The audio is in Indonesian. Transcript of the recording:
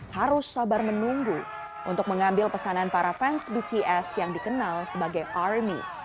harus sabar menunggu untuk mengambil pesanan para fans bts yang dikenal sebagai army